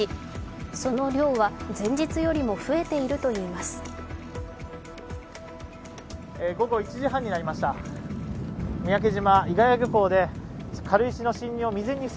その量は前日よりも増えているといいます。